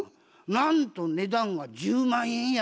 なんと値段が１０万円や。